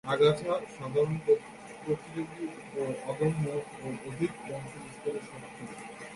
আগাছা সাধারণত প্রতিযোগী ও অদম্য এবং অধিক বংশবিস্তারে সক্ষম।